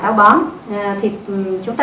táo bón thì chúng ta